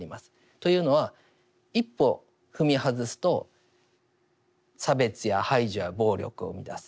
というのは一歩踏み外すと差別や排除や暴力を生みだす。